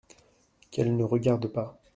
Qu’elles ne regardent pas !